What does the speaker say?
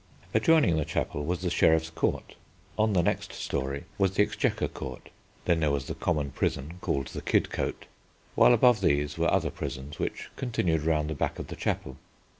Adjoining the chapel was the sheriffs' court; on the next storey was the Exchequer court; then there was the common prison called the Kidcote, while above these were other prisons which continued round the back of the chapel.